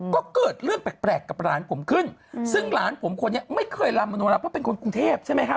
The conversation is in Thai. ก็เกิดเรื่องแปลกกับหลานผมขึ้นซึ่งหลานผมคนนี้ไม่เคยลำมโนราเพราะเป็นคนกรุงเทพใช่ไหมครับ